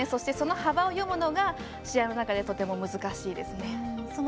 その幅を読むのが試合の中でとても難しいですね。